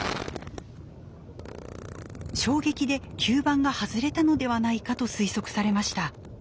衝撃で吸盤が外れたのではないかと推測されました。